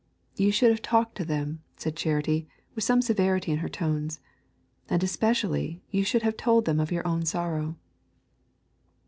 'You should have talked to them,' said Charity, with some severity in her tones, 'and, especially, you should have told them of your own sorrow.'